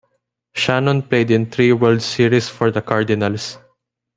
Shannon played in three World Series for the Cardinals.